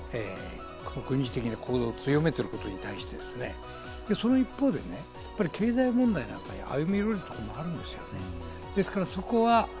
軍事的な行動を強めている国に対して、その一方で経済問題など歩み寄るところもあるんですよね。